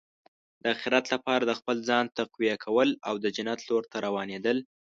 د اخرت لپاره د خپل ځان تقویه کول او د جنت لور ته روانېدل.